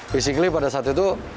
basically pada saat itu